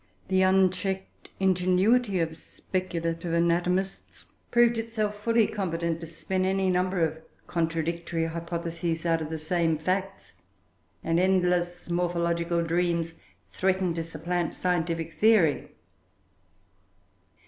The unchecked ingenuity of speculative anatomists proved itself fully competent to spin any number of contradictory hypotheses out of the same facts, and endless morphological dreams threatened to supplant scientific theory.